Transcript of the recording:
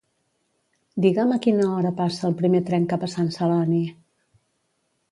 Digue'm a quina hora passa el primer tren cap a Sant Celoni